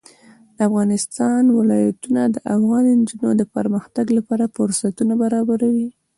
د افغانستان ولايتونه د افغان نجونو د پرمختګ لپاره فرصتونه برابروي.